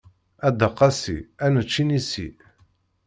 A Dda Qasi ad nečč inisi.